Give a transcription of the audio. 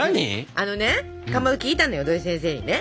あのねかまど聞いたのよ土井先生にね。